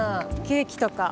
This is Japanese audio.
ケーキとか。